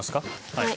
はい。